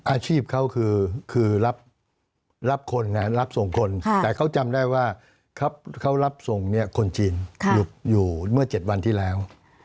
อาชีพเขาคือรับคนรับส่งคนแต่เขาจำได้ว่าเขารับส่งเนี่ยคนจีนหยุดอยู่เมื่อ๗วันที่แล้ว